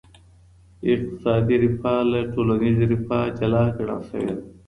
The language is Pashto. اقتصادي رفاه له ټولنیزې رفاه جلا ګڼل سوي ده.